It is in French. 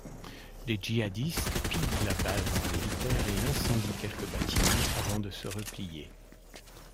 Les djihadistes pillent la base militaire et incendient quelques bâtiments, avant de se replier.